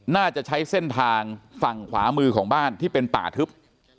น่าจะใช้เส้นทางฝั่งขวามือของบ้านที่เป็นป่าทึบ